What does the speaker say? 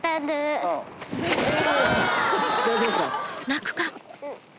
泣くか？